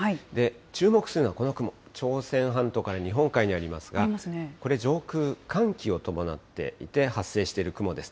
注目するのはこの雲、朝鮮半島から日本海にありますが、これ、上空、寒気を伴って発生している雲です。